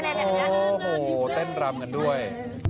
้าหอเต้นรำกันด้วย